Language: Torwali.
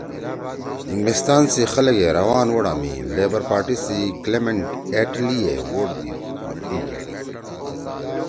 انگلستان سی خلگے رَوان ووٹا می لیبر پارٹی سی کلیمنٹ ایٹلی (Clement Attlee) ئے ووٹ دیِد آں تی گھیڑی